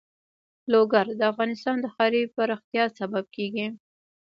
لوگر د افغانستان د ښاري پراختیا سبب کېږي.